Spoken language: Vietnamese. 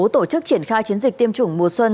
tổ chức triển khai chiến dịch tiêm chủng mùa xuân